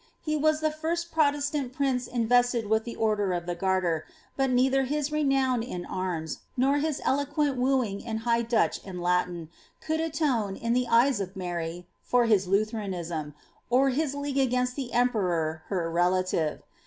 He was the first Protestant prince invested with the order of the Garter, but neither his renown in arms, nor his eloquent wooing in high Dutch and Latin, could atone, in the eyes of Mary, for his Lutheranism, or for his league against the emperor her relative.